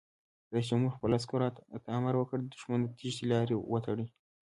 رئیس جمهور خپلو عسکرو ته امر وکړ؛ د دښمن د تیښتې لارې وتړئ!